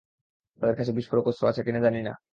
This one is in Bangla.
তাদের কাছে বিস্ফোরক, অস্ত্র আছে কিনা জানি না।